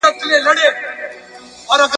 سجدې مي وړای ستا تر چارچوبه خو چي نه تېرېدای `